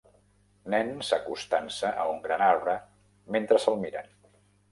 Nens acostant-se a un gran arbre mentre se'l miren.